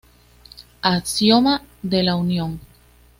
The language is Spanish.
Axioma de la unión.